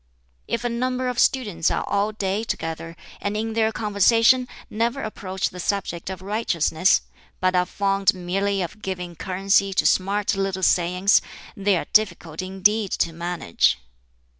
"If a number of students are all day together, and in their conversation never approach the subject of righteousness, but are fond merely of giving currency to smart little sayings, they are difficult indeed to manage.